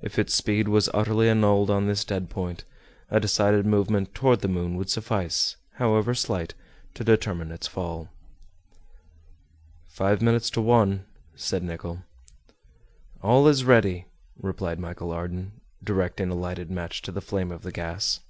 If its speed was utterly annulled on this dead point, a decided movement toward the moon would suffice, however slight, to determine its fall. "Five minutes to one," said Nicholl. "All is ready," replied Michel Ardan, directing a lighted match to the flame of the gas.